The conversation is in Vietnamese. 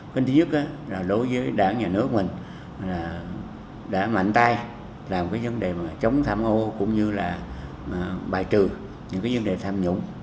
cái thứ nhất là đối với đảng nhà nước mình đã mạnh tay làm cái vấn đề mà chống tham ô cũng như là bài trừ những cái vấn đề tham nhũng